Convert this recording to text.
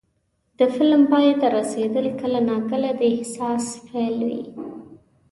د فلم پای ته رسېدل کله ناکله د احساس پیل وي.